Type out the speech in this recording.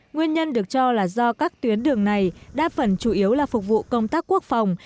nguyên nhân được cho là do các tuyến đường này đa phần chủ yếu là phục vụ công tác quốc phòng